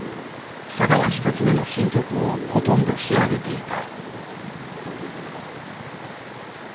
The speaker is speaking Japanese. さだは１つ目の新曲をほとんど仕上げていた。